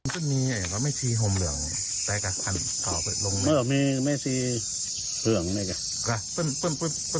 อ๋อแต่ห่มเหลืองเหรอ